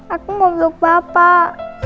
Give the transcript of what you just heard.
aku mau buk bapak